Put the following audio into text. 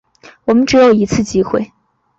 我们只有一次机会